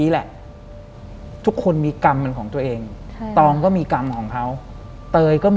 หลังจากนั้นเราไม่ได้คุยกันนะคะเดินเข้าบ้านอืม